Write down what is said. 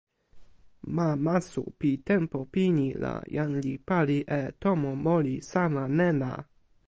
ma Masu pi tenpo pini la jan li pali e tomo moli sama nena.